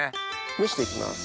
蒸して行きます。